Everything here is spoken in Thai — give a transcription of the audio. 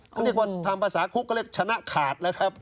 เขาเรียกว่าทำภาษาคุกก็เรียกชนะขาดแล้วครับ